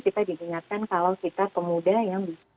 kita diingatkan kalau kita pemuda yang bisa